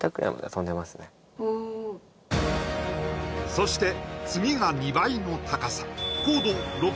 そして次が２倍の高さ